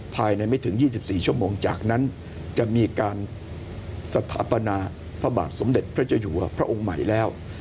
ภายในไม่ถึง๒๔ชั่วโมงจากนั้นจะมีการสถาปนาพระบาทสมเด็จพระเจ้าอยู่หัวพระองค์ใหม่แล้ว